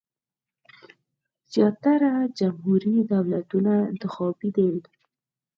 زیاتره جمهوري دولتونه انتخابي دي.